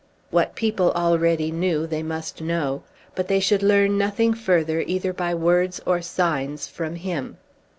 What people already knew they must know, but they should learn nothing further either by words or signs from him.